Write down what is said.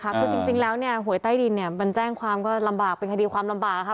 คือจริงแล้วเนี่ยหวยใต้ดินเนี่ยมันแจ้งความก็ลำบากเป็นคดีความลำบากค่ะ